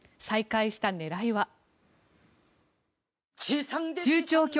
再開した狙いは。